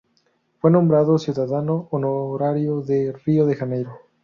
Fue nombrado Ciudadano Honorario de Río de Janeiro.